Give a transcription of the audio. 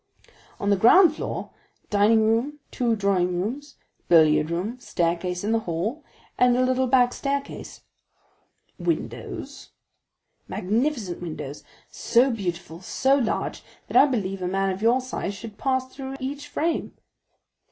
"On the ground floor, dining room, two drawing rooms, billiard room, staircase in the hall, and a little back staircase." "Windows?" "Magnificent windows, so beautiful, so large, that I believe a man of your size should pass through each frame."